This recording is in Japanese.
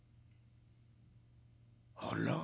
「あら？